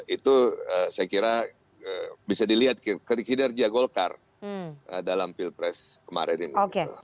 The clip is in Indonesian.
itu saya kira bisa dilihat kinerja golkar dalam pilpres kemarin ini